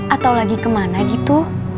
atau lagi kemana gitu